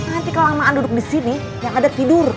nanti kelamaan duduk disini yang ada tidur